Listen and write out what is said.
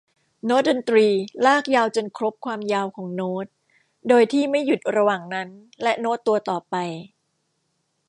โน้ตดนตรีลากยาวจนครบความยาวของโน้ต โดยที่ไม่หยุดระหว่างนั้นและโน้ตตัวต่อไป